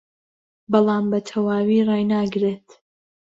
بەڵام بەتەواوی ڕایناگرێت